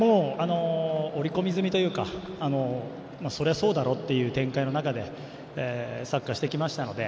折り込み済みというかそれはそうだろうという展開の中でサッカーしてきましたので。